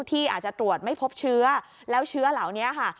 ที่อาจจะตรวจไม่พบเชื้อแล้วเชื้อเหล่านี้ค่ะ